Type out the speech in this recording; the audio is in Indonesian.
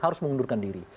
harus mengundurkan diri